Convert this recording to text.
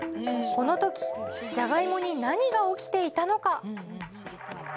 この時じゃがいもに何が起きていたのか？